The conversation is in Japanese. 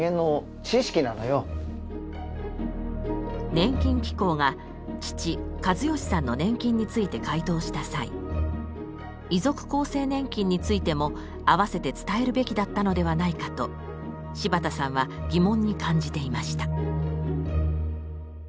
年金機構が父・計義さんの年金について回答した際遺族厚生年金についても併せて伝えるべきだったのではないかと柴田さんは疑問に感じていました。